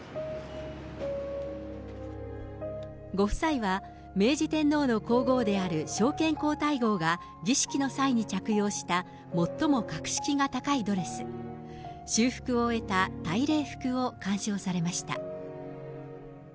ご夫妻は、明治天皇の皇后である昭憲皇太后が儀式の際に着用した最も格式が高いドレス、修復を終えた大礼服を観賞されました。